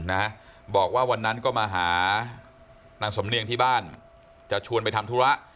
นะบอกว่าวันนั้นก็มาหานางสำเนียงที่บ้านจะชวนไปทำธุระ